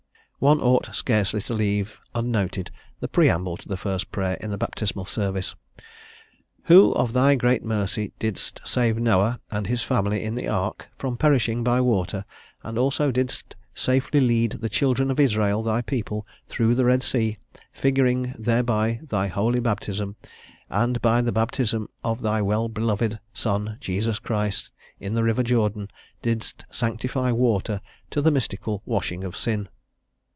One ought scarcely to leave unnoted the preamble to the first prayer in the baptismal service: "Who of thy great mercy didst save Noah and his family in the ark from perishing by water; and also didst safely lead the children of Israel thy people through the Red Sea, figuring thereby thy holy baptism; and by the baptism of thy well beloved Son Jesus Christ, in the river Jordan, didst sanctify water to the mystical washing of sin."